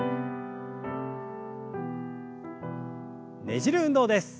ねじる運動です。